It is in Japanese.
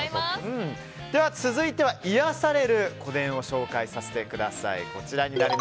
続いては癒やされる個電を紹介させてください。